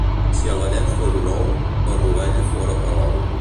Si el Vallès fos un ou, el rovell fora Palou.